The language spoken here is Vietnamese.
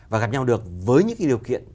và gặp nhau được với những điều kiện